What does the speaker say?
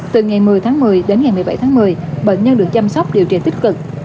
từ ngày một mươi tháng một mươi đến ngày một mươi bảy tháng một mươi bệnh nhân được chăm sóc điều trị tích cực